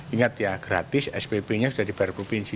ingat ya gratis spp nya sudah dibayar provinsi